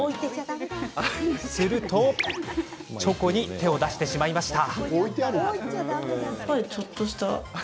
するとチョコに手を出してしまいました。